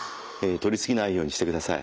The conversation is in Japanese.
とり過ぎないようにしてください。